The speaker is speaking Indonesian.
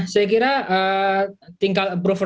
saya kira tingkat penerbitan presiden maksud saya